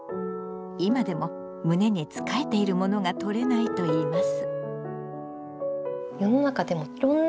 今でも胸につかえているものが取れないといいます。